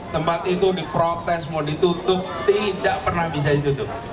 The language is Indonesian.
tempat itu diprotes mau ditutup tidak pernah bisa ditutup